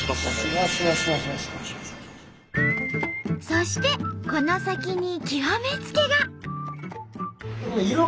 そしてこの先に極め付きが。